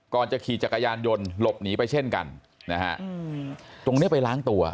จะขี่จักรยานยนต์หลบหนีไปเช่นกันนะฮะตรงเนี้ยไปล้างตัว